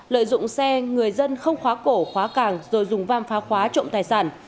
lợi dụng xe người dân không khóa cổ khóa càng rồi dùng vam phá khóa trộm tài sản